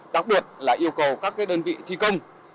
đặc biệt là yêu cầu các đơn vị thi công